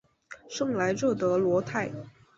圣莱热德罗泰。